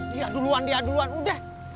dia duluan dia duluan udah